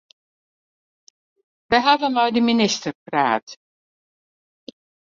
Wy hawwe mei de minister praat.